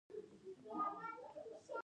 نصاب باید څلور کلن وي.